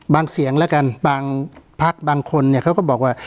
บางเสียงแล้วกันบางภาคบางคนเขาก็บอกว่า